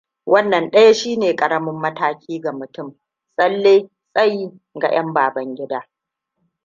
Wannan daya shine karamin mataki ga mutum, tsalle tsayi ga 'yan Babangida.